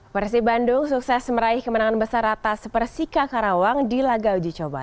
persib bandung sukses meraih kemenangan besar atas persika karawang di laga uji coba